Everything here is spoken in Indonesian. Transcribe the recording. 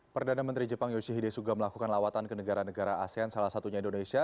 perdana menteri jepang yoshide suga melakukan lawatan ke negara negara asean salah satunya indonesia